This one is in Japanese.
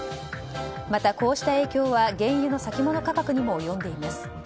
また、こうした影響は原油の先物価格にも及んでいます。